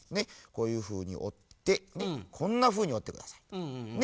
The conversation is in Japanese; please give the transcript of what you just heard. こういうふうにおってこんなふうにおってくださいね。